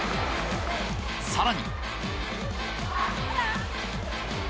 更に。